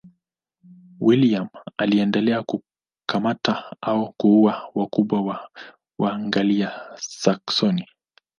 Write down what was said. William aliendelea kukamata au kuua wakubwa wa Waanglia-Saksoni.